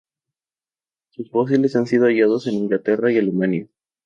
Sus fósiles han sido hallados en Inglaterra y Alemania.